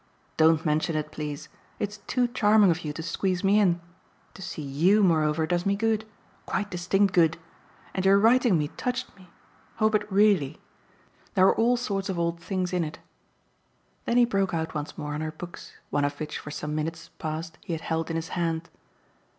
"Don't mention it, please. It's too charming of you to squeeze me in. To see YOU moreover does me good. Quite distinct good. And your writing me touched me oh but really. There were all sorts of old things in it." Then he broke out once more on her books, one of which for some minutes past he had held in his hand.